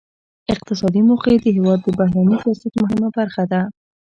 اقتصادي موخې د هیواد د بهرني سیاست مهمه برخه ده